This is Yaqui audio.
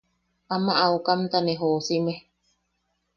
Ama aukamta ne joʼosime.